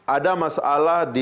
ada masalah di